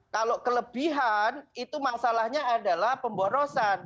kalau kelebihan itu masalahnya adalah pemborosan